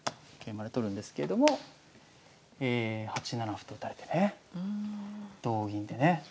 桂馬で取るんですけれども８七歩と打たれてね同銀でね。